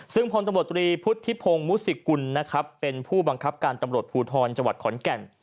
ซึ่งพลตมตรีพุทธิพงค์มุษิกุลเป็นผู้บังคับการตำรวจภูทรจังหวัดขอนแก่ง